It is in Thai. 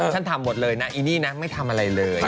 ทำหมดเลยนะอีนี่นะไม่ทำอะไรเลย